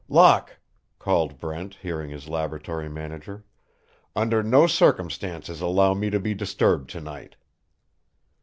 "Locke!" called Brent, hearing his laboratory, manager. "Under no circumstances allow me to be disturbed to night."